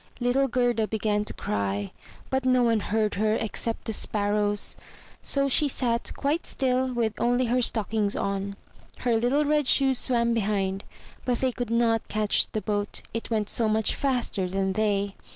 Little Gerda began to cry; but no one heard her except the Sparrows. So she sat quite still with only her stockings on. Her little red shoes swam behind, but they could not catch the boat, it went so much faster than they.